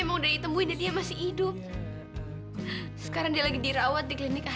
sampai jumpa di video selanjutnya